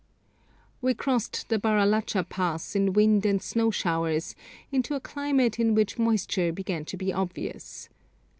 We crossed the Baralacha Pass in wind and snow showers into a climate in which moisture began to be obvious.